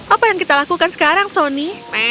apa yang kita lakukan sekarang sony